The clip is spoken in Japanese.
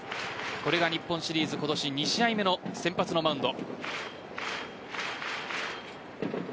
これが日本シリーズ今年２試合目の先発のマウンド。